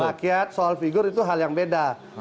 pak kiat soal figur itu hal yang beda